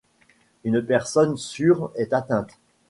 Une personne sur est atteinte.